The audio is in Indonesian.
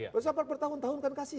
reshuffle bertahun tahun kan kasih